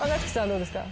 どうですか？